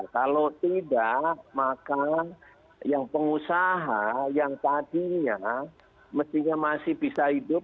kalau tidak maka yang pengusaha yang tadinya mestinya masih bisa hidup